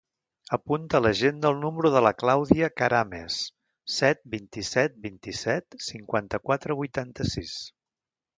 Apunta a l'agenda el número de la Clàudia Carames: set, vint-i-set, vint-i-set, cinquanta-quatre, vuitanta-sis.